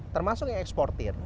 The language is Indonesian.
termasuk yang eksportir